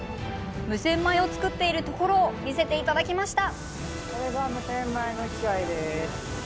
無洗米を作っているところを見せてもらいました。